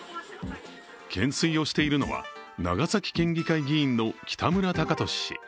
懸垂をしているのは、長崎県議会議員の北村貴寿氏。